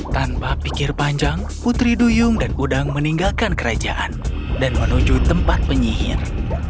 tanpa pikir panjang putri duyung dan udang meninggalkan kerajaan dan menuju tempat penyihir